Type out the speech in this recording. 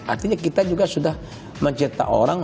artinya kita juga sudah mencetak orang